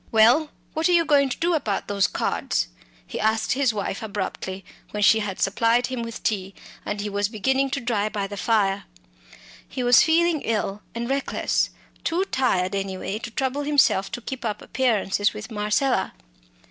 "Well, what are you going to do about those cards?" he asked his wife abruptly when she had supplied him with tea, and he was beginning to dry by the fire. He was feeling ill and reckless; too tired anyway to trouble himself to keep up appearances with Marcella.